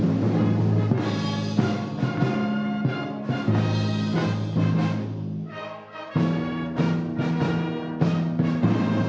oleh azris eye dari jenderal quick starts